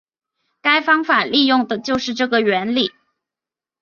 该方法利用的就是这个原理。